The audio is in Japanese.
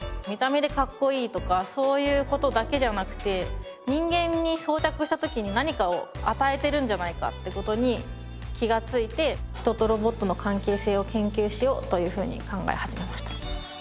見た目でかっこいいとかそういう事だけじゃなくて人間に装着した時に何かを与えてるんじゃないかって事に気がついて人とロボットの関係性を研究しようというふうに考え始めました。